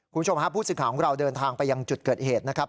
คุณผู้ชมฮะผู้สื่อข่าวของเราเดินทางไปยังจุดเกิดเหตุนะครับ